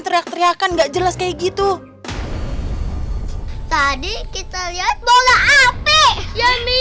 teriak teriakan gak jelas kayak gitu tadi kita lihat bola api ya mi